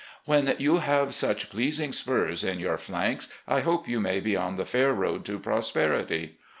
. When you have such pleasing spurs in your flanks, I hope you may be on the fair road to prosperity.